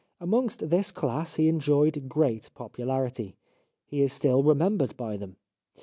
Amongst this class he enjoyed great popularity. He is still remem bered by them.